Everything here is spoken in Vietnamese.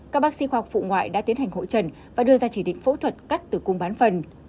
các bác sĩ khoa học phụ ngoại đã tiến hành hội trần và đưa ra chỉ định phẫu thuật cắt từ cung bán phần